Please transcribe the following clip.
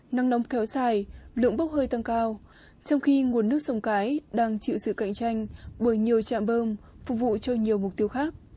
năng nóng kéo dài lượng bốc hơi tăng cao trong khi nguồn nước sông cái đang chịu sự cạnh tranh bởi nhiều trạm bơm phục vụ cho nhiều mục tiêu khác